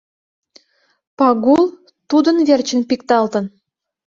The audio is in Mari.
Пагул тудын верчын пикталтын.